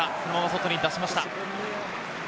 外に出しました。